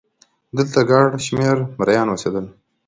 دلته ګڼ شمېر مریان اوسېدل